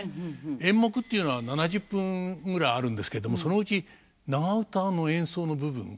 演目っていうのは７０分ぐらいあるんですけれどもそのうち長唄の演奏の部分これが半分近くあるんです。